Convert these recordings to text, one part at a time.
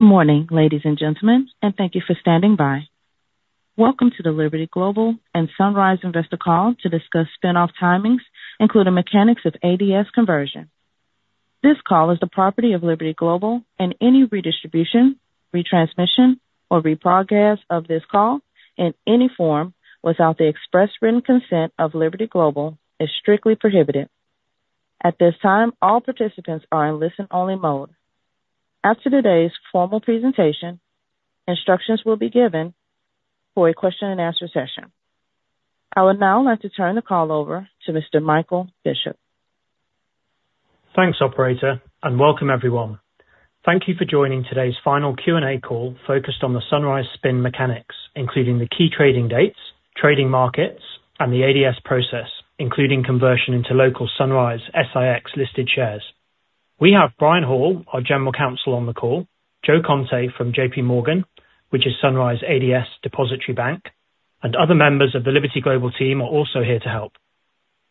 Good morning, ladies and gentlemen, and thank you for standing by. Welcome to the Liberty Global and Sunrise Investor Call to discuss spinoff timings, including mechanics of ADS conversion. This call is the property of Liberty Global, and any redistribution, retransmission, or reproduction of this call in any form without the express written consent of Liberty Global is strictly prohibited. At this time, all participants are in listen-only mode. After today's formal presentation, instructions will be given for a question-and-answer session. I would now like to turn the call over to Mr. Michael Bishop. Thanks, Operator, and welcome, everyone. Thank you for joining today's final Q&A call focused on the Sunrise spin mechanics, including the key trading dates, trading markets, and the ADS process, including conversion into local Sunrise SIX-listed shares. We have Brian Hall, our General Counsel on the call, Joe Conte from J.P. Morgan, which is Sunrise ADS Depository Bank, and other members of the Liberty Global team are also here to help.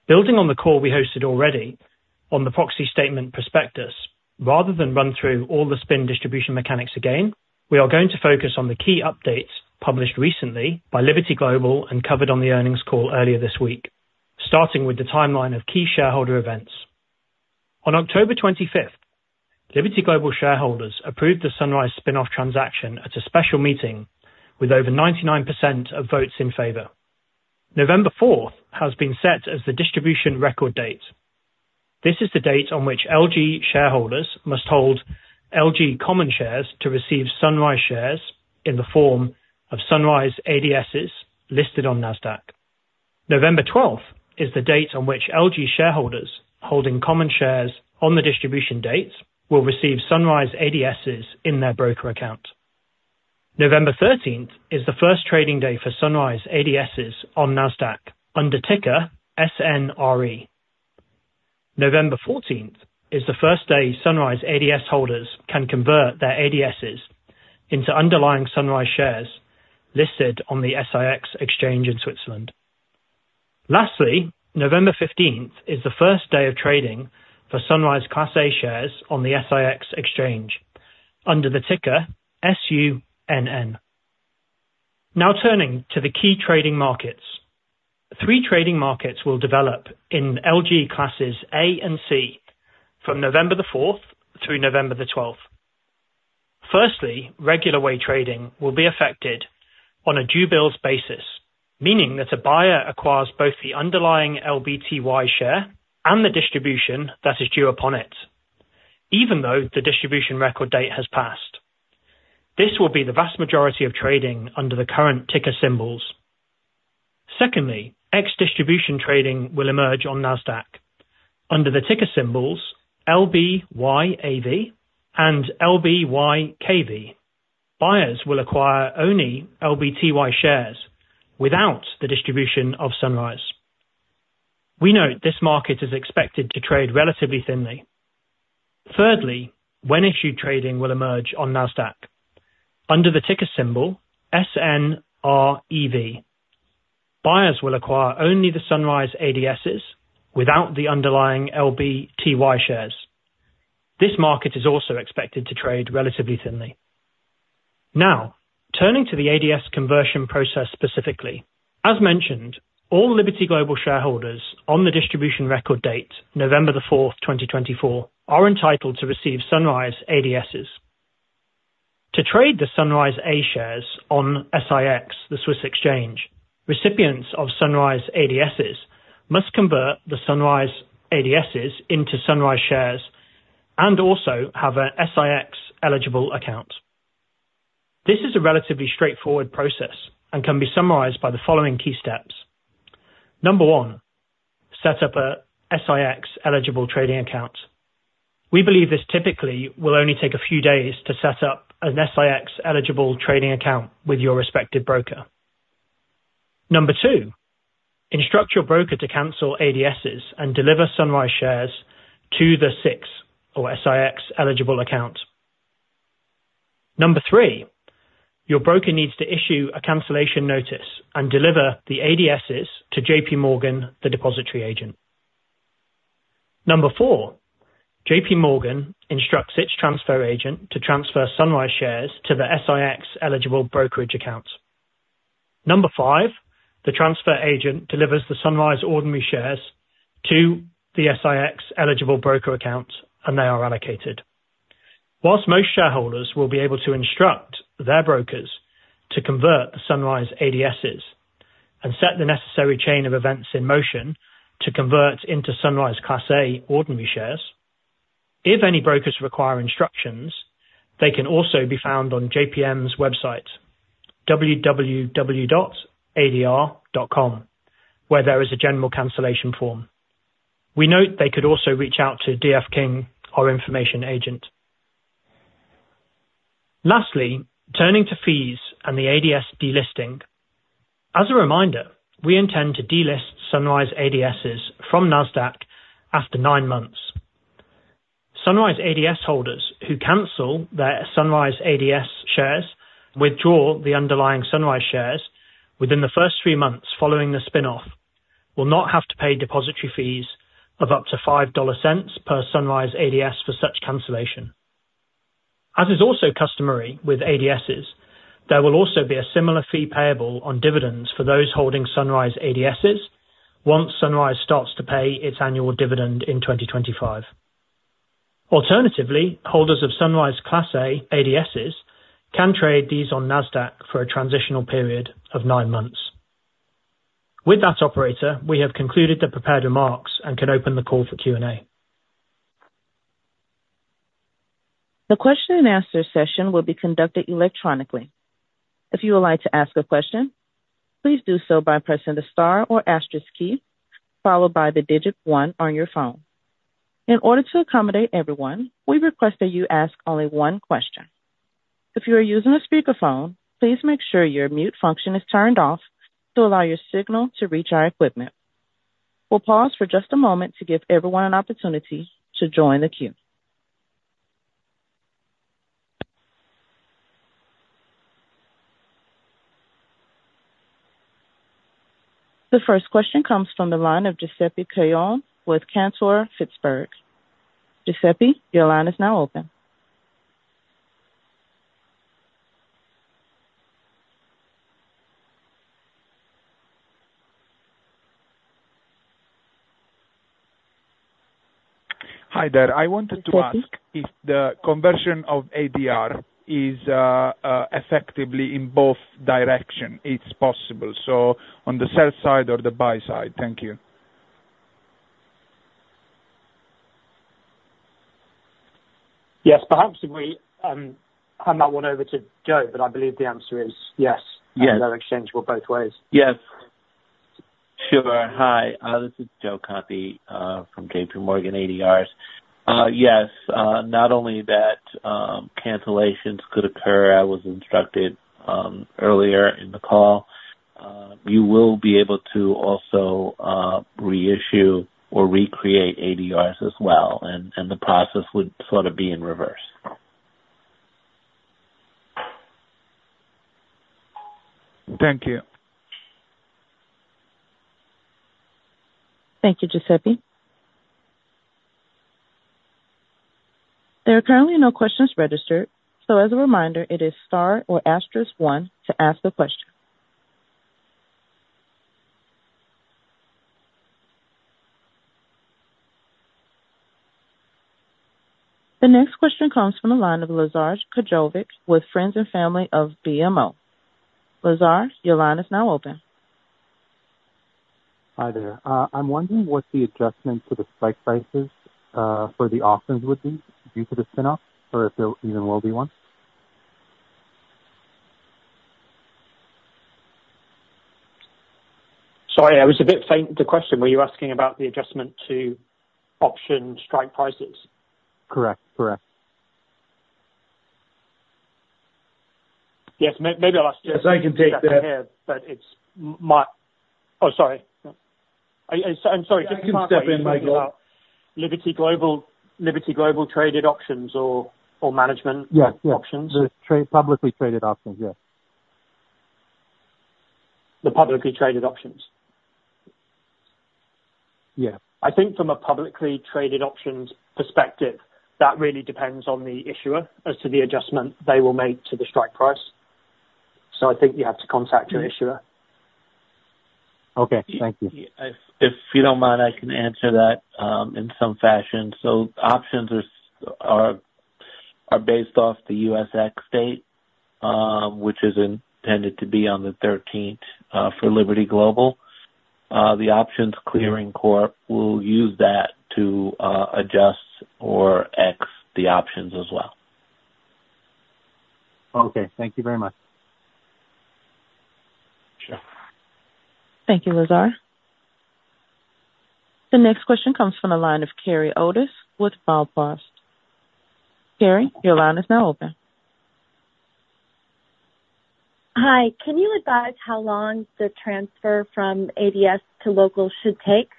Building on the call we hosted already on the proxy statement prospectus, rather than run through all the spin distribution mechanics again, we are going to focus on the key updates published recently by Liberty Global and covered on the earnings call earlier this week, starting with the timeline of key shareholder events. On October 25th, Liberty Global shareholders approved the Sunrise spinoff transaction at a special meeting with over 99% of votes in favor. November 4th has been set as the distribution record date. This is the date on which LG shareholders must hold LG common shares to receive Sunrise shares in the form of Sunrise ADSs listed on NASDAQ. November 12th is the date on which LG shareholders holding common shares on the distribution dates will receive Sunrise ADSs in their broker account. November 13th is the first trading day for Sunrise ADSs on NASDAQ under ticker SNRE. November 14th is the first day Sunrise ADS holders can convert their ADSs into underlying Sunrise shares listed on the SIX exchange in Switzerland. Lastly, November 15th is the first day of trading for Sunrise Class A shares on the SIX exchange under the ticker SUNN. Now turning to the key trading markets. Three trading markets will develop in LG classes A and C from November 4th through November 12th. Firstly, regular way trading will be affected on a due bills basis, meaning that a buyer acquires both the underlying LBTY share and the distribution that is due upon it, even though the distribution record date has passed. This will be the vast majority of trading under the current ticker symbols. Secondly, ex-distribution trading will emerge on NASDAQ under the ticker symbols LBYAV and LBYKV. Buyers will acquire only LBTY shares without the distribution of Sunrise. We note this market is expected to trade relatively thinly. Thirdly, when-issued trading will emerge on NASDAQ under the ticker symbol SNREV. Buyers will acquire only the Sunrise ADSs without the underlying LBTY shares. This market is also expected to trade relatively thinly. Now, turning to the ADS conversion process specifically. As mentioned, all Liberty Global shareholders on the distribution record date November 4th, 2024, are entitled to receive Sunrise ADSs. To trade the Sunrise A shares on SIX, the Swiss Exchange, recipients of Sunrise ADSs must convert the Sunrise ADSs into Sunrise shares and also have an SIX-eligible account. This is a relatively straightforward process and can be summarized by the following key steps. Number one, set up an SIX-eligible trading account. We believe this typically will only take a few days to set up an SIX-eligible trading account with your respective broker. Number two, instruct your broker to cancel ADSs and deliver Sunrise shares to the SIX or SIX-eligible account. Number three, your broker needs to issue a cancellation notice and deliver the ADSs to JPMorgan, the depository agent. Number four, JPMorgan instructs its transfer agent to transfer Sunrise shares to the SIX-eligible brokerage account. Number five, the transfer agent delivers the Sunrise ordinary shares to the SIX-eligible broker account, and they are allocated. While most shareholders will be able to instruct their brokers to convert the Sunrise ADSs and set the necessary chain of events in motion to convert into Sunrise Class A ordinary shares, if any brokers require instructions, they can also be found on JPM's website, www.adr.com, where there is a general cancellation form. We note they could also reach out to D.F. King, our information agent. Lastly, turning to fees and the ADS delisting. As a reminder, we intend to delist Sunrise ADSs from NASDAQ after nine months. Sunrise ADS holders who cancel their Sunrise ADS shares, withdraw the underlying Sunrise shares within the first three months following the spinoff, will not have to pay depository fees of up to $5 per Sunrise ADS for such cancellation. As is also customary with ADSs, there will also be a similar fee payable on dividends for those holding Sunrise ADSs once Sunrise starts to pay its annual dividend in 2025. Alternatively, holders of Sunrise Class A ADSs can trade these on NASDAQ for a transitional period of nine months. With that, Operator, we have concluded the prepared remarks and can open the call for Q&A. The question-and-answer session will be conducted electronically. If you would like to ask a question, please do so by pressing the star or asterisk key followed by the digit one on your phone. In order to accommodate everyone, we request that you ask only one question. If you are using a speakerphone, please make sure your mute function is turned off to allow your signal to reach our equipment. We'll pause for just a moment to give everyone an opportunity to join the queue. The first question comes from the line of Giuseppe Caione with Cantor Fitzgerald. Giuseppe, your line is now open. Hi, there. I wanted to ask if the conversion of ADR is effectively in both directions? It's possible. So on the sell side or the buy side? Thank you. Yes. Perhaps if we hand that one over to Joe, but I believe the answer is yes. Yes. No exchange for both ways. Yes. Sure. Hi. This is Joe Conte from JPMorgan ADRs. Yes. Not only that cancellations could occur, I was instructed earlier in the call, you will be able to also reissue or recreate ADRs as well. And the process would sort of be in reverse. Thank you. Thank you, Giuseppe. There are currently no questions registered. So as a reminder, it is star or asterisk one to ask the question. The next question comes from the line of Lazar Kojovic with Francis Family of BMO. Lazar, your line is now open. Hi there. I'm wondering what the adjustment to the strike prices for the auctions would be due to the spinoff or if there even will be one. Sorry, I was a bit faint. The question, were you asking about the adjustment to option strike prices? Correct. Correct. Yes. Maybe I'll ask you. Yes. I can take that. But it's my. Oh, sorry. I'm sorry. Just to clarify. I can step in, Michael. Liberty Global traded options or management options? Yeah. Yeah. The publicly traded options. Yes. The publicly traded options. Yeah. I think from a publicly traded options perspective, that really depends on the issuer as to the adjustment they will make to the strike price. So I think you have to contact your issuer. Okay. Thank you. If you don't mind, I can answer that in some fashion. So options are based off the ex-date, which is intended to be on the 13th for Liberty Global. The Options Clearing Corporation will use that to adjust or ex the options as well. Okay. Thank you very much. Sure. Thank you, Lazar. The next question comes from the line of Carrie Otis with FilePass. Carrie, your line is now open. Hi. Can you advise how long the transfer from ADS to local should take?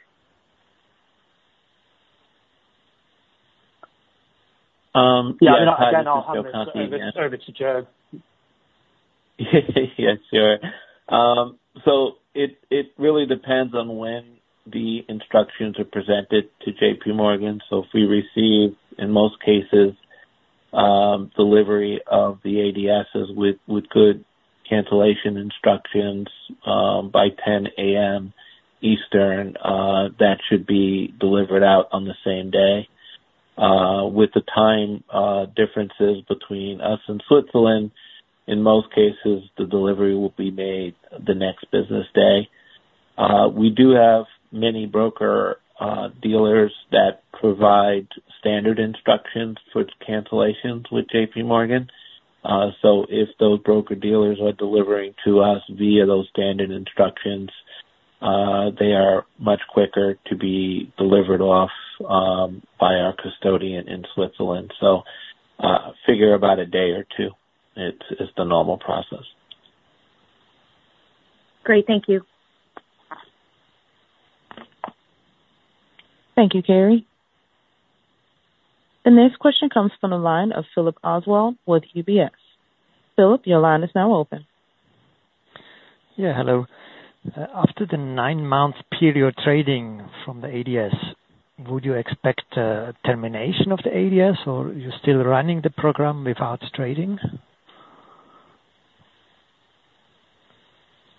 Yeah. I can help you. I can help you. Service to Joe. Yes, sir. So it really depends on when the instructions are presented to J.P. Morgan. So if we receive, in most cases, delivery of the ADSs with good cancellation instructions by 10:00 A.M. Eastern, that should be delivered out on the same day. With the time differences between us and Switzerland, in most cases, the delivery will be made the next business day. We do have many broker dealers that provide standard instructions for cancellations with JPMorgan. So if those broker dealers are delivering to us via those standard instructions, they are much quicker to be delivered off by our custodian in Switzerland. So figure about a day or two. It's the normal process. Great. Thank you. Thank you, Carrie. The next question comes from the line of Philip Oswald with UBS. Philip, your line is now open. Yeah. Hello. After the nine-month period trading from the ADS, would you expect termination of the ADS, or are you still running the program without trading?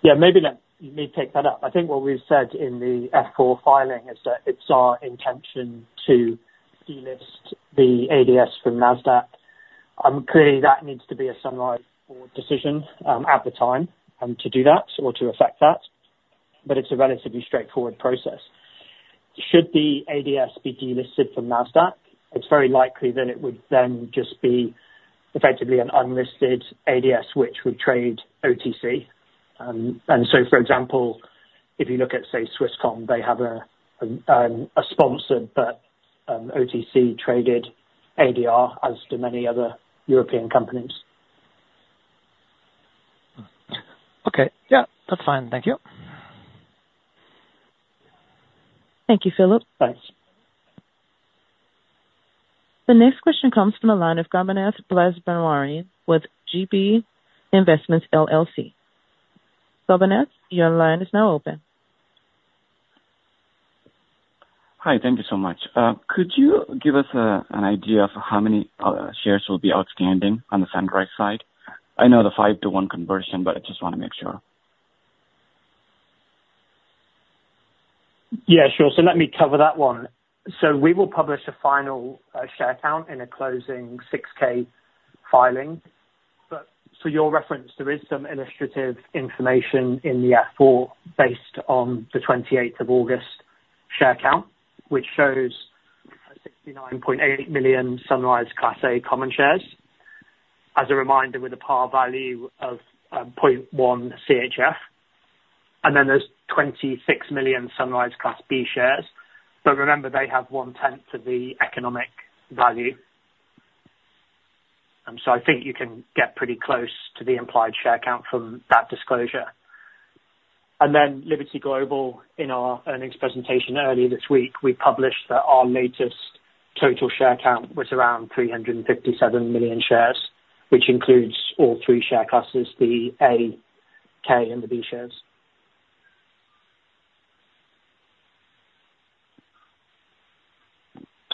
Yeah. Maybe let me take that up. I think what we've said in the F4 filing is that it's our intention to delist the ADS from NASDAQ. Clearly, that needs to be a Sunrise board decision at the time to do that or to affect that. But it's a relatively straightforward process. Should the ADS be delisted from NASDAQ, it's very likely that it would then just be effectively an unlisted ADS, which would trade OTC. And so, for example, if you look at, say, Swisscom, they have a sponsored but OTC-traded ADR, as do many other European companies. Okay. Yeah. That's fine. Thank you. Thank you, Philip. Thanks. The next question comes from the line of Gobinath Balasubramanian with GB Investments LLC. Gobinath, your line is now open. Hi. Thank you so much. Could you give us an idea of how many shares will be outstanding on the Sunrise side? I know the five-to-one conversion, but I just want to make sure. Yeah. Sure. So let me cover that one. So we will publish a final share count in a closing 6-K filing. But for your reference, there is some illustrative information in the F4 based on the 28th of August share count, which shows 69.8 million Sunrise Class A Common Shares, as a reminder, with a par value of 0.1 CHF. And then there's 26 million Sunrise Class B Shares. But remember, they have one-tenth of the economic value. So I think you can get pretty close to the implied share count from that disclosure. And then Liberty Global, in our earnings presentation earlier this week, we published that our latest total share count was around 357 million shares, which includes all three share classes, the A, K, and the B shares.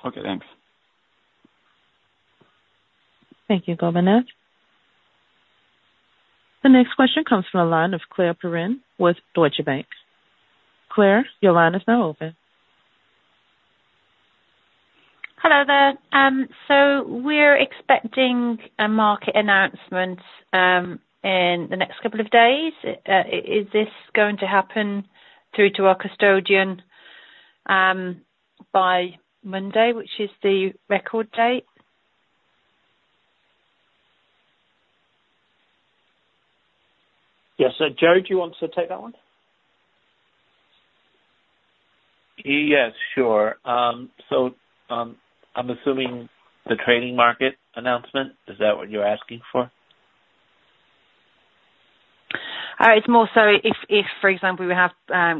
Okay. Thanks. Thank you, Gobinath. The next question comes from the line of Claire Perrin with Deutsche Bank. Claire, your line is now open. Hello, there. So we're expecting a market announcement in the next couple of days. Is this going to happen through to our custodian by Monday, which is the record date? Yes. Joe, do you want to take that one? Yes. Sure. So I'm assuming the trading market announcement, is that what you're asking for? It's more so if, for example, we have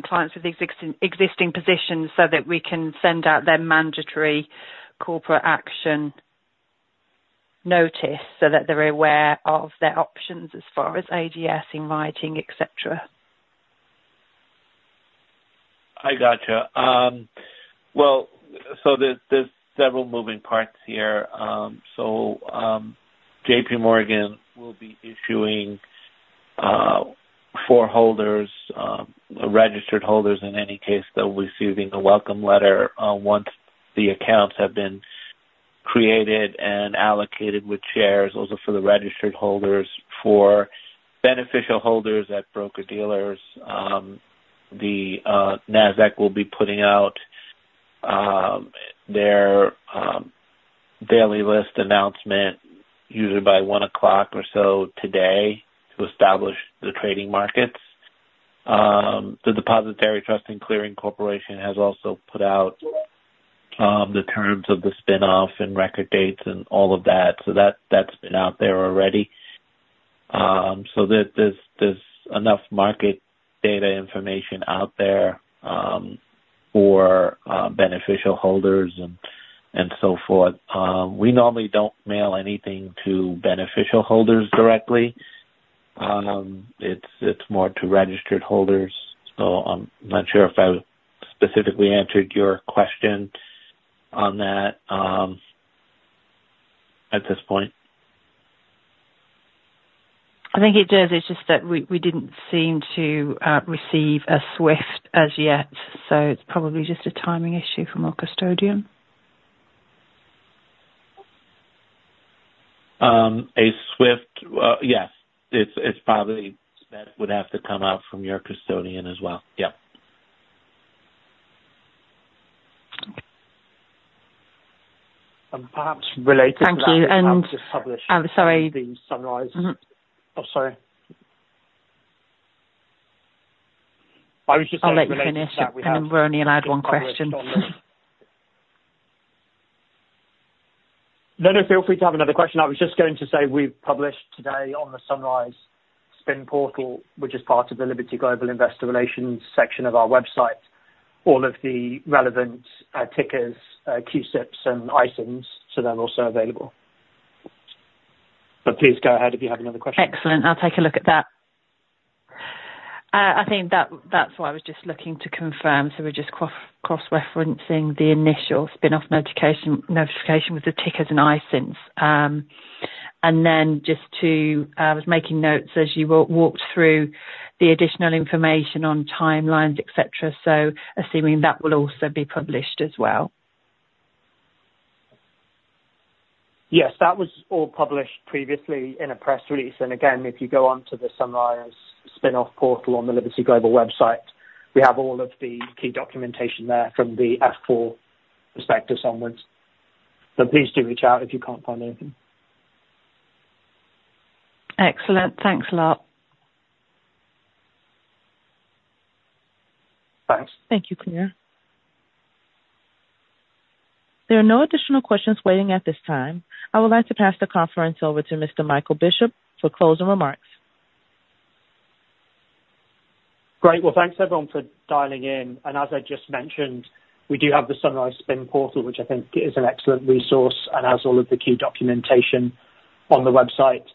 clients with existing positions so that we can send out their mandatory corporate action notice so that they're aware of their options as far as ADS converting, etc. I gotcha. Well, so there's several moving parts here. So JPMorgan will be issuing for holders, registered holders, in any case, they'll be receiving a welcome letter once the accounts have been created and allocated with shares, also for the registered holders. For beneficial holders at broker-dealers, the NASDAQ will be putting out their daily list announcement usually by 1 o'clock or so today to establish the trading markets. The Depository Trust and Clearing Corporation has also put out the terms of the spinoff and record dates and all of that. So that's been out there already. So there's enough market data information out there for beneficial holders and so forth. We normally don't mail anything to beneficial holders directly. It's more to registered holders. So I'm not sure if I specifically answered your question on that at this point. I think it does. It's just that we didn't seem to receive a SWIFT as yet. So it's probably just a timing issue from our custodian. A SWIFT, yes. It's probably that would have to come out from your custodian as well. Yep. And perhaps related to that. Thank you. And. Perhaps just publish. I'm sorry. The Sunrise. Oh, sorry. I was just saying related to that. I'll let you finish. We've only allowed one question. No, no. Feel free to have another question. I was just going to say we've published today on the Sunrise spin portal, which is part of the Liberty Global Investor Relations section of our website, all of the relevant tickers, CUSIPs, and ISINs. So they're also available. But please go ahead if you have another question. Excellent. I'll take a look at that. I think that's why I was just looking to confirm, so we're just cross-referencing the initial spinoff notification with the tickers and ISINs, and then just to, I was making notes as you walked through the additional information on timelines, etc., so assuming that will also be published as well. Yes. That was all published previously in a press release. And again, if you go on to the Sunrise spinoff portal on the Liberty Global website, we have all of the key documentation there from the F4 perspective onwards. But please do reach out if you can't find anything. Excellent. Thanks a lot. Thanks. Thank you, Claire. There are no additional questions waiting at this time. I would like to pass the conference over to Mr. Michael Bishop for closing remarks. Great. Well, thanks everyone for dialing in. And as I just mentioned, we do have the Sunrise spin portal, which I think is an excellent resource and has all of the key documentation on the website.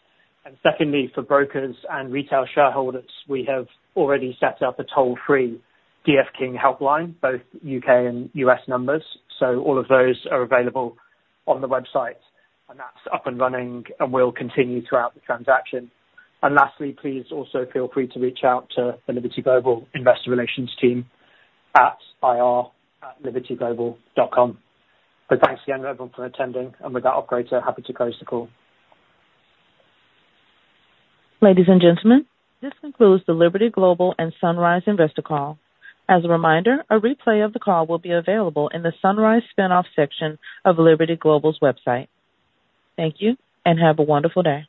And secondly, for brokers and retail shareholders, we have already set up a toll-free D.F. King helpline, both U.K. and U.S. numbers. So all of those are available on the website. And that's up and running and will continue throughout the transaction. And lastly, please also feel free to reach out to the Liberty Global Investor Relations team at ir@libertyglobal.com. But thanks again, everyone, for attending. And with that, I'll be happy to close the call. Ladies and gentlemen, this concludes the Liberty Global and Sunrise Investor call. As a reminder, a replay of the call will be available in the Sunrise spinoff section of Liberty Global's website. Thank you and have a wonderful day.